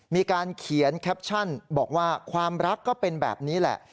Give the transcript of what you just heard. มีการเขียนแคปชั่นบอกว่าความรักก็เป็นแบบนี้แหละ